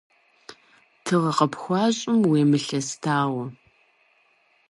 Тыгъэ къыпхуащӏым уемылъэстауэ.